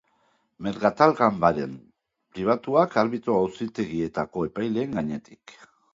Merkatal ganbaren pribatuak arbitro auzitegietako epaileen gainetik.